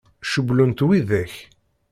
Cewwlen-tt widak?